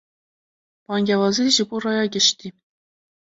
Bangewazî ji bo raya giştî